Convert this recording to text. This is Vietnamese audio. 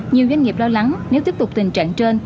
nhiều doanh nghiệp lo lắng nếu tiếp tục tình trạng trên